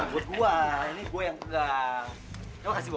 buat gua ini gua yang enggak terima kasih bos